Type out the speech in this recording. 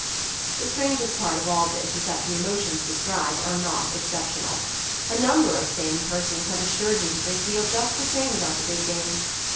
The strangest part of all this is that the emotions described are not exceptional. A number of sane persons have assured me that they feel just the same about the big games.